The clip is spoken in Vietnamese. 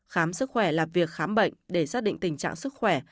khám sức khỏe là việc khám bệnh để xác định tình trạng sức khỏe